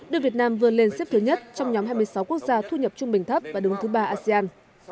đưa việt nam vươn lên xếp thứ nhất trong nhóm hai mươi sáu quốc gia thu nhập trung bình thấp và đứng thứ ba asean